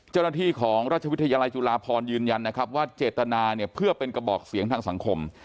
เจ้าหน้าที่ของราชวิทยาลัยจุฬาพรยืนยันนะครับว่าเจตนาเนี่ยเพื่อเป็นกระบอกเสียงทางสังคม